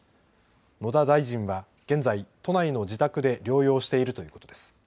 野田大臣は現在、都内の自宅で療養しているということです。